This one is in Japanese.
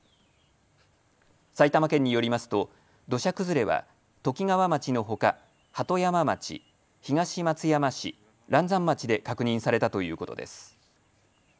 埼玉県によりますと土砂崩れはときがわ町のほか鳩山町、東松山市、嵐山町で確認されたということです。